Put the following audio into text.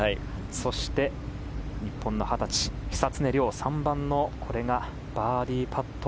そして、日本の二十歳久常涼は３番のバーディーパット。